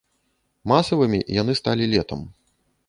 Масавымі яны сталі летам.